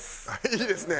いいですね！